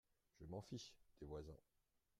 Je m'en fiche, des voisins …